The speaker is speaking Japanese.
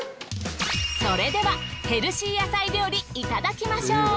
それではヘルシー野菜料理いただきましょう。